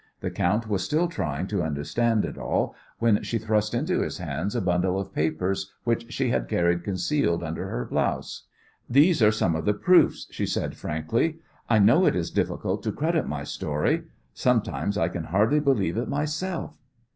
The count was still trying to understand it all when she thrust into his hands a bundle of papers which she had carried concealed under her blouse. "These are some of the proofs," she said frankly. "I know it is difficult to credit my story sometimes I can hardly believe it myself."